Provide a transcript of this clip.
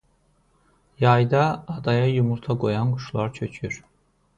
Yayda adaya yumurta qoyan quşlar köçür.